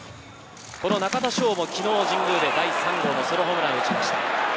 昨日、神宮で第３号のソロホームランを打ちました。